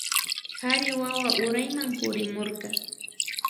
Kari wawa urayman purikurka